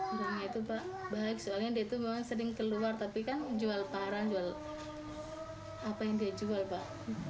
barangnya itu pak baik soalnya dia itu memang sering keluar tapi kan jual karang jual apa yang dia jual pak